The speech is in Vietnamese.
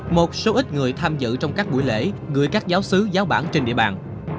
một số ít người tham dự trong các buổi lễ người các giáo sứ giáo bản trên địa bàn